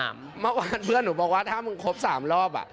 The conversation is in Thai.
เมื่อวานเพื่อนหนูบอกว่าถ้ามึงครบ๓รอบ